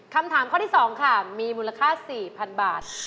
คำถามข้อที่๒ค่ะมีมูลค่า๔๐๐๐บาท